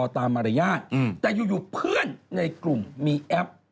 แต่อยู่เพื่อนในกลุ่มมีแอป